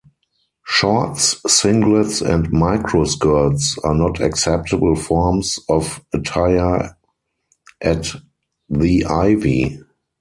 Shorts, singlets and micro-skirts are not acceptable forms of attire at The Ivy.